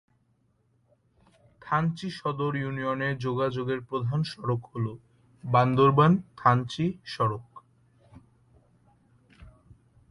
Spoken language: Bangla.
থানচি সদর ইউনিয়নে যোগাযোগের প্রধান সড়ক হল বান্দরবান-থানচি সড়ক।